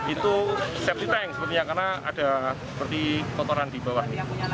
itu safety tank sepertinya karena ada seperti kotoran di bawah